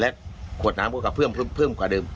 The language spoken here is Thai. และขวดน้ำก็ขวดเพลิมกว่าเดิม